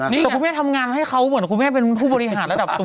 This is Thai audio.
แต่คุณแม่ทำงานให้เขาเหมือนคุณแม่เป็นผู้บริหารระดับสูง